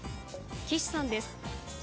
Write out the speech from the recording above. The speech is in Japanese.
岸さんです。